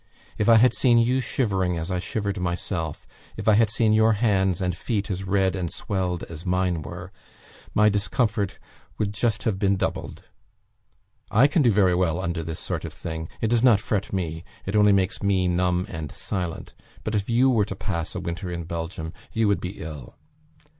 If I had seen you shivering as I shivered myself, if I had seen your hands and feet as red and swelled as mine were, my discomfort would just have been doubled. I can do very well under this sort of thing; it does not fret me; it only makes me numb and silent; but if you were to pass a winter in Belgium, you would be ill.